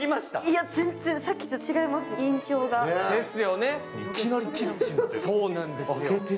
いや、全然、さっきと印象が違います。